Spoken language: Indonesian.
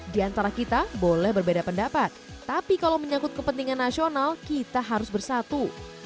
di antara kita boleh berbeda pendapat tapi kalau menyangkut kepentingan nasional kita harus bersatu